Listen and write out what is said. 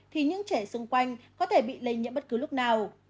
thì những trẻ xung quanh có thể bị lây nhiễm bất cứ lúc nào